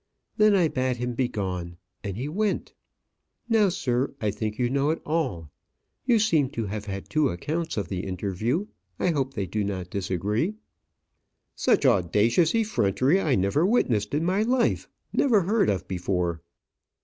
Then I bade him begone; and he went. Now, sir, I think you know it all. You seem to have had two accounts of the interview; I hope they do not disagree?" "Such audacious effrontery I never witnessed in my life never heard of before!"